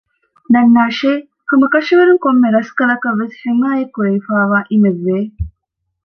ދަންނާށޭ ހަމަކަށަވަރުން ކޮންމެ ރަސްކަލަކަށް ވެސް ޙިމާޔަތް ކުރެވިފައިވާ އިމެއް ވޭ